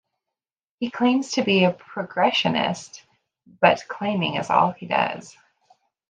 He claims to be a progressionist, but claiming is all he does.